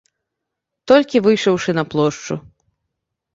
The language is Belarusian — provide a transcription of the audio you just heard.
Толькі выйшаўшы на плошчу.